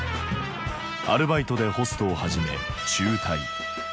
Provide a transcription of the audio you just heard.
アルバイトでホストを始め中退。